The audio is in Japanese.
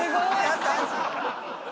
優しい。